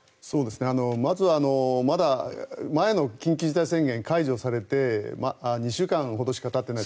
まずはまだ前の緊急事態宣言解除されて２週間ほどしかたっていない。